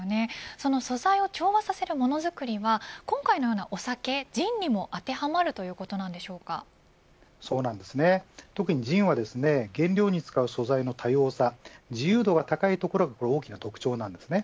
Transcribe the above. その素材を調和させるものづくりは今回のようなお酒、ジンにも当てはまるということそうなんですね、特にジンは原料に使う素材の多様さ自由度が高いところが大きな特徴です。